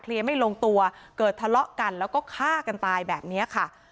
ไม่ลงตัวเกิดทะเลาะกันแล้วก็ฆ่ากันตายแบบนี้ค่ะ